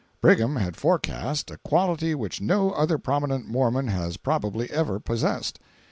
Brigham had forecast—a quality which no other prominent Mormon has probably ever possessed.